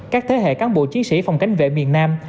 các thế hệ cán bộ chiến sĩ phòng cảnh vệ miền nam